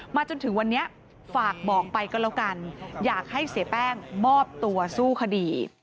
จนถึงวันนี้ฝากบอกไปก็แล้วกันอยากให้เสียแป้งมอบตัวสู้คดี